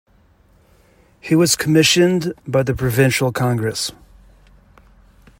He was commissioned by the Provincial Congress.